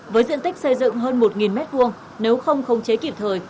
với diện tích xây dựng hơn một m hai nếu không không cháy kịp thời